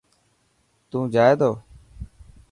تو جائي تو؟